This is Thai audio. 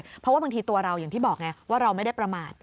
เพราะว่าบางทีตัวเราอย่างที่บอกไงว่าเราไม่ได้ประมาท